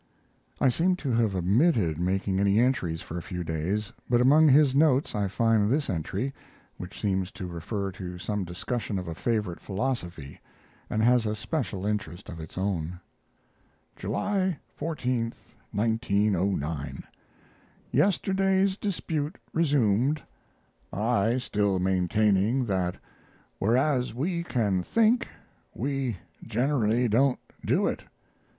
I seem to have omitted making any entries for a few days; but among his notes I find this entry, which seems to refer to some discussion of a favorite philosophy, and has a special interest of its own: July 14, 1909. Yesterday's dispute resumed, I still maintaining that, whereas we can think, we generally don't do it.